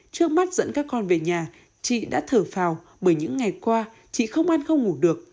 trước mắt dẫn các con về nhà chị đã thở phào bởi những ngày qua chị không ăn không ngủ được